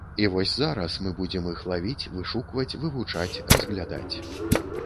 І вось зараз мы будзем іх лавіць, вышукваць, вывучаць, разглядаць.